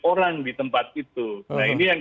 orang di tempat itu nah ini yang